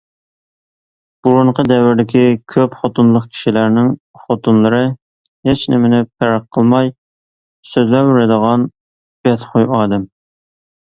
بۇرۇنقى دەۋردىكى كۆپ خوتۇنلۇق كىشىلەرنىڭ خوتۇنلىرى ھېچنېمىنى پەرق قىلماي سۆزلەۋېرىدىغان بەتخۇي ئادەم.